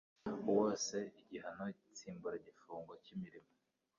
wose igihano nsimburagifungo cy imirimo